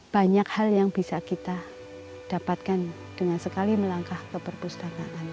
banyak hal yang bisa kita dapatkan dengan sekali melangkah ke perpustakaan